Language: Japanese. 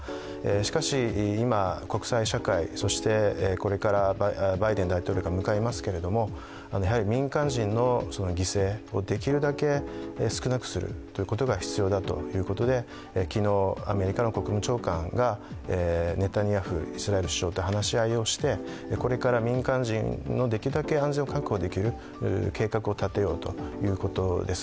しかし、今、国際社会、そして、これからバイデン大統領が向かいますけれども、民間人の犠牲をできるだけ少なくすることが必要だということで、昨日、アメリカの国務長官がネタニヤフ・イスラエル首相と話し合いをしてこれから民間人のできるだけ安全を確保できる計画を立てようということです。